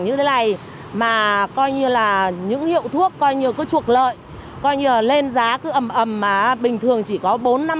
như thế này mà coi như là những hiệu thuốc coi như cứ trục lợi coi như là lên giá cứ ẩm mà bình thường chỉ có bốn năm